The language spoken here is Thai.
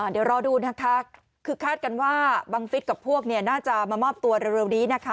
เดี๋ยวรอดูนะคะคือคาดกันว่าบังฟิศกับพวกน่าจะมามอบตัวเร็วนี้นะคะ